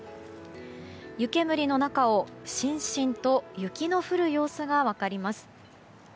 湯煙の中をしんしんと雪の降る様子が分かります。